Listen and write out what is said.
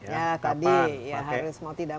ya tadi ya harus mau tidak